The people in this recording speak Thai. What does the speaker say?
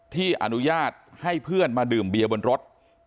ที่อนุญาตให้เพื่อนมาดื่มเบียร์บนรถ